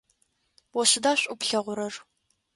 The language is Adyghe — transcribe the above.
О сыда шӏу плъэгъурэр?